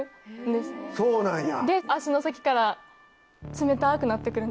そうなんや。